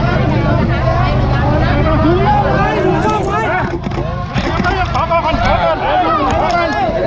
สวัสดีครับทุกคน